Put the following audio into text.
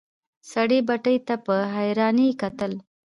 سړي بتۍ ته په حيرانی کتل.